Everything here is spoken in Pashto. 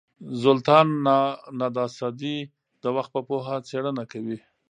زولتان ناداسدي د وخت په پوهه څېړنه کوي.